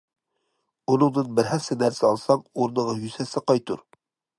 ئۇنىڭدىن بىر ھەسسە نەرسە ئالساڭ، ئورنىغا يۈز ھەسسە قايتۇر.